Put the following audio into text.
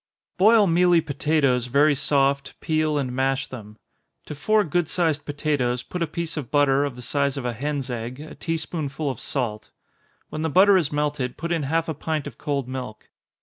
_ Boil mealy potatoes very soft, peel and mash them. To four good sized potatoes, put a piece of butter, of the size of a hen's egg, a tea spoonful of salt. When the butter has melted, put in half a pint of cold milk.